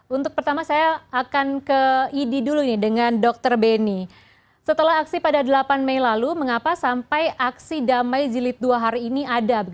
untuk pertama saya akan ke idi dulu nih dengan dr beni setelah aksi pada delapan mei lalu mengapa sampai aksi damai jilid dua hari ini ada